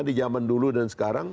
di zaman dulu dan sekarang